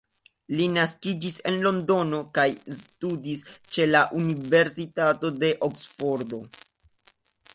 Li naskiĝis en Londono kaj studis ĉe la Universitato de Oksfordo.